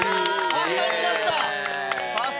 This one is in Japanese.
簡単に出した！